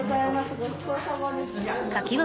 ごちそうさまです。